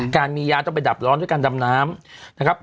การมีย้านต้องไปดับร้อนด้วยการดำน้ำ